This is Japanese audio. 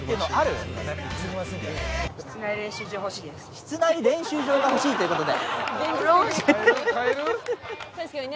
室内練習場が欲しいということで。